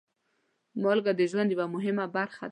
مالګه د ژوند یوه مهمه برخه ده.